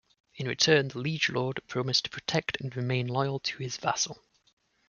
In return the liege lord promised to protect and remain loyal to his vassal.